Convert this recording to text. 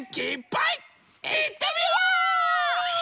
いってみよう！